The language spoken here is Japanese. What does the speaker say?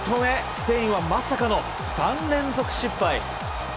スペインはまさかの３連続失敗。